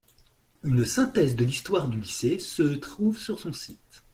Une synthèse de l'histoire du lycée se trouve sur son site.